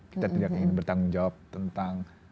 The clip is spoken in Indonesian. kita tidak ingin bertanggung jawab tentang